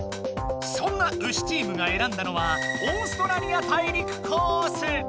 そんなウシチームがえらんだのはオーストラリア大陸コース。